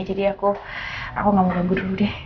jadi aku gak mau ganggu dulu deh